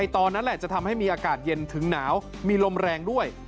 ตอนนั้นแหละจะทำให้มีอากาศเย็นถึงหนาวมีลมแรงด้วย